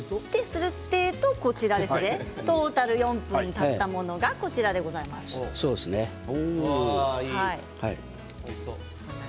するってえとトータル４分たったものがおいしそう！